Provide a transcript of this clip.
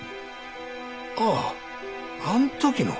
あああん時の。